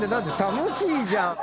楽しいじゃん！